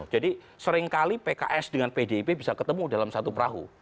jadi seringkali pks dengan pdip bisa ketemu dalam satu perahu